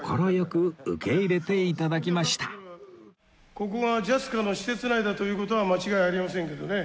ここがＪＡＳＣＡの施設内だという事は間違いありませんけどね。